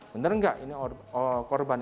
benar enggak ini korban